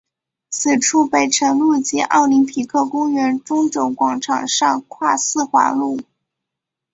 此处北辰路及奥林匹克公园中轴广场上跨四环路。